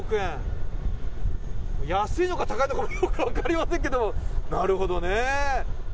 安いのか高いのかもよく分かりませんけれども、なるほどね。